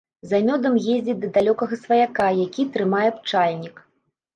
За мёдам ездзяць да далёкага сваяка, які трымае пчальнік.